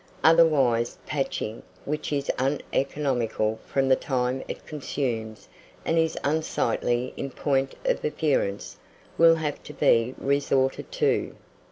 Otherwise, patching, which is uneconomical from the time it consumes, and is unsightly in point of appearance, will have to be resorted to.